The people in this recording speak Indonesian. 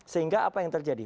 sehingga apa yang terjadi